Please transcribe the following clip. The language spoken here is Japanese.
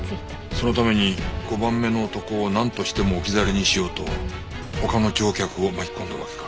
そのために５番目の男をなんとしても置き去りにしようと他の乗客を巻き込んだわけか。